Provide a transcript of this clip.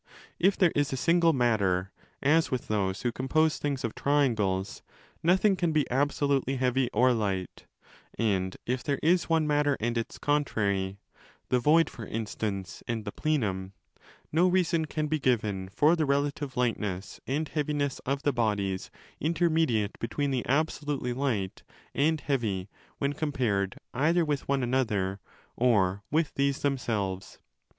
If there is a single matter, as with those who compose things of triangles, nothing can be absolutely heavy or light: and if there is one matter and its contrary—the void, for 310° instance, and the plenum—no reason can be given for the relative lightness and heaviness of the bodies intermediate between the absolutely light and heavy when compared either with one another or with these themselves.